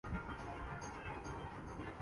اگر وہ سمجھتا ہے کہ نئے پاکستان میں سب اچھا ہے۔